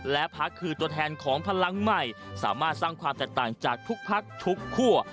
และพักคือตัวแทนของพลังใหม่สามารถสร้างความแตกต่างจากทุกพักทุกคั่ว